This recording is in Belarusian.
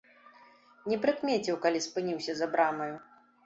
Не прыкмеціў, калі спыніўся за брамаю.